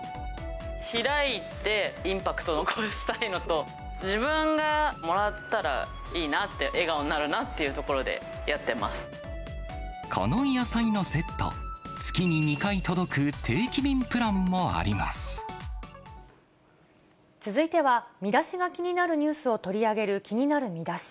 開いて、インパクトを残したいのと、自分がもらったら、いいなって、笑顔になるなっていうところでやこの野菜のセット、月に２回続いては、ミダシが気になるニュースを取り上げる、気になるミダシ。